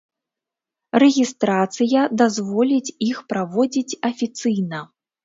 Рэгістрацыя дазволіць іх праводзіць афіцыйна.